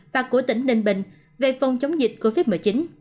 và của tỉnh ninh bình về phòng chống dịch covid một mươi chín